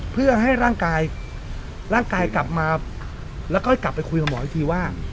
เพื่อให้ร่างกายร่างกายกลับมาแล้วก็กลับไปคุยกับหมออีกทีว่า